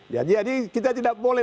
jadi kita tidak boleh